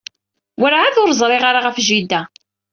Werɛad ur rziɣ ara ɣef jida.